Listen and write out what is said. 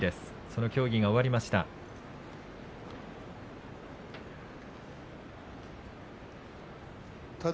その協議が終わりました。